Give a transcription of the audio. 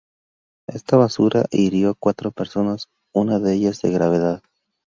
Esta basura hirió a cuatro personas, una de ellas de gravedad.